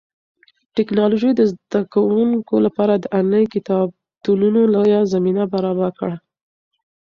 ټیکنالوژي د زده کوونکو لپاره د انلاین کتابتونونو لویه زمینه برابره کړه.